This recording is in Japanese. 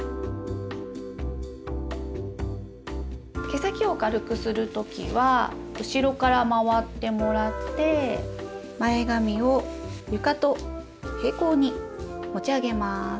毛先を軽くする時は後ろから回ってもらって前髪を床と平行に持ち上げます。